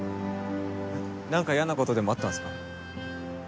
何か嫌なことでもあったんすか？